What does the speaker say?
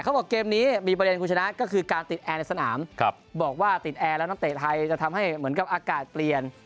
บอกเกมนี้มีประเด็นคุณชนะก็คือการติดแอร์ในสนามบอกว่าติดแอร์แล้วนักเตะไทยจะทำให้เหมือนกับอากาศเปลี่ยน